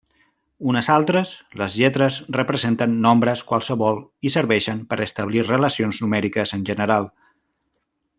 Unes altres, les lletres representen nombres qualssevol i serveixen per establir relacions numèriques en general.